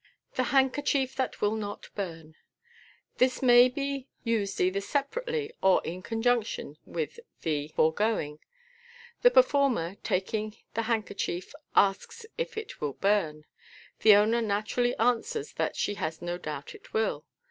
Fig. 107. The Handkerchief that will not Burn. — This may be dsed either separately or in conjunction with the toregoing. The performer, taking the handkerchief, a>ks if it will burn. The owner naturally answers that she has no doubt it will.